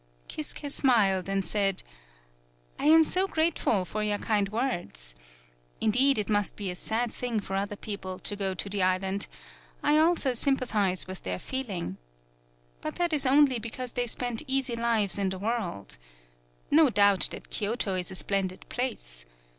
Kisuke smiled, and said: "I am so grateful for your kind words. Indeed it must he a sad thing for other people to go to the island; I also sympathize with their feeling. But that is only because they spent easy lives in the world. No doubt that Ky oto is a splendid place.